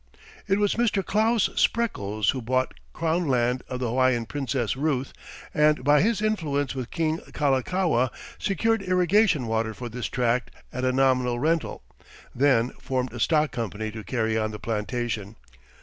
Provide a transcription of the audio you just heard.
It was Mr. Claus Spreckles who bought crown land of the Hawaiian Princess Ruth and by his influence with King Kalakaua secured irrigation water for this tract at a nominal rental, then formed a stock company to carry on the plantation.